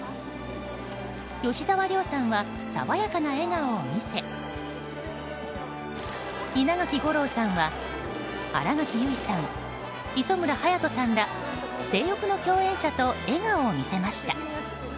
吉沢亮さんは爽やかな笑顔を見せ稲垣吾郎さんは新垣結衣さん、磯村勇斗さんら「正欲」の共演者と笑顔を見せました。